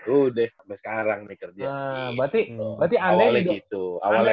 udah sampe sekarang nih kalo gak ada yang mau berhenti gue mau berhenti